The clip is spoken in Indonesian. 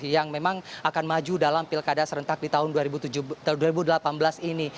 yang memang akan maju dalam pilkada serentak di tahun dua ribu delapan belas ini